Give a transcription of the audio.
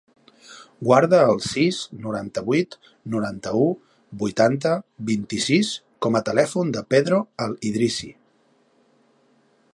Guarda el sis, noranta-vuit, noranta-u, vuitanta, vint-i-sis com a telèfon del Pedro El Idrissi.